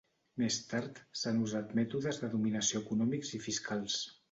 Més tard, s'han usat mètodes de dominació econòmics i fiscals.